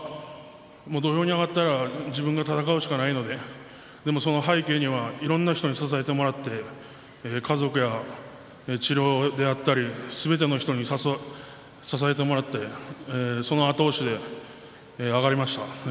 土俵に上がったら自分が戦うしかないのででもその背景にはいろいろな人に支えてもらって家族や治療だったりすべての人に支えてもらってその後押しで上がれました。